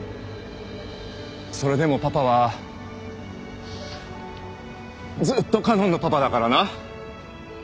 それでもパパはずっと花音のパパだからな。